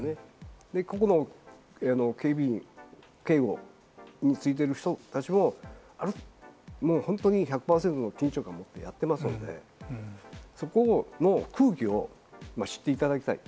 個々の警備・警護についてる人も本当に１００％の緊張を持ってやってますので、そこの空気を知っていただきたい。